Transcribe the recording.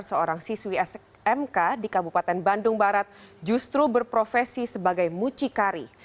seorang siswi smk di kabupaten bandung barat justru berprofesi sebagai mucikari